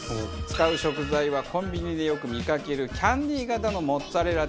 使う食材はコンビニでよく見かけるキャンディ型のモッツァレラチーズ。